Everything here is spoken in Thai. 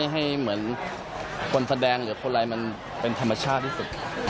ให้เหมือนคนแสดงหรือคนอะไรมันเป็นธรรมชาติที่สุด